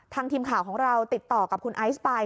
ทีมข่าวของเราติดต่อกับคุณไอซ์ไป